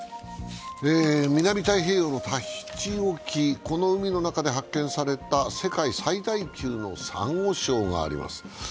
南太平洋のタヒチ沖、この海の中で発見された世界最大級のさんご礁があります。